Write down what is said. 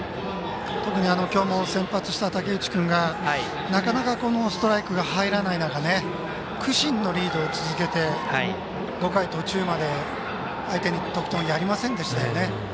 特にきょうも先発した武内君がなかなかストライクが入らない中苦心のリードを続けて５回途中まで相手に得点をやりませんでしたね。